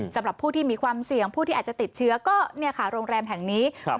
สำหรับผู้ที่มีความเสี่ยงผู้ที่อาจจะติดเชื้อก็เนี่ยค่ะโรงแรมแห่งนี้ครับ